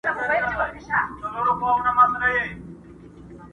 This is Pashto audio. هېر کړي خو حافظه يې نه پرېږدي،